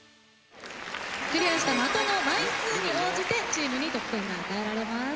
クリアした的の枚数に応じてチームに得点が与えられます。